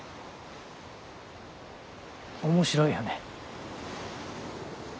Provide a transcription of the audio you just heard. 面白いよね。